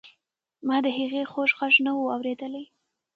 ما د هغې خوږ غږ نه و اورېدلی.